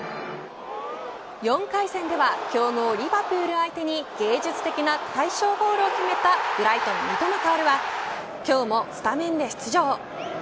４回戦では強豪リヴァプール相手に芸術的な快勝ゴールを決めたブライトン、三笘薫は今日もスタメンで出場。